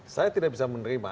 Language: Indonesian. saya tidak bisa menerima